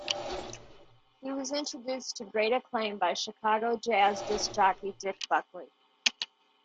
He was introduced to great acclaim by Chicago jazz disc-jockey Dick Buckley.